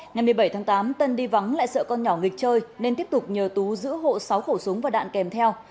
ngày một mươi bảy tháng tám tân đi vắng lại sợ con nhỏ nghịch chơi nên tiếp tục nhờ tú giữ hộ sáu khẩu súng và đạn kèm theo